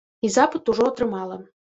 І запыт ужо атрымала.